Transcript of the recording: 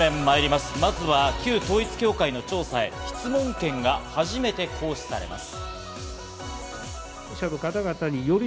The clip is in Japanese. まずは旧統一教会の質問権が初めて行使されます。